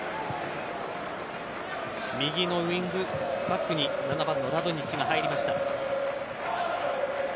右のウイングバックに７番のラドニッチが入りました。